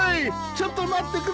ちょっと待ってくれ。